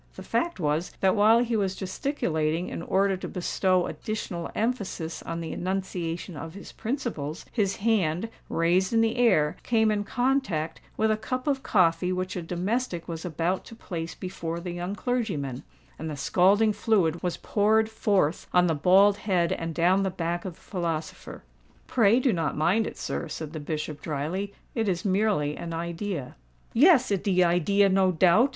The fact was that while he was gesticulating in order to bestow additional emphasis on the enunciation of his principles, his hand, raised in the air, came in contact with a cup of coffee which a domestic was about to place before the young clergyman; and the scalding fluid was poured forth on the bald head and down the back of the philosopher. "Pray do not mind it, sir," said the Bishop, drily: "it is merely an idea." "Yes—it de idea, no doubt!"